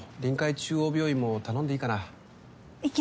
中央病院も頼んでいいかな？